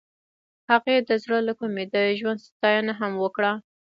هغې د زړه له کومې د ژوند ستاینه هم وکړه.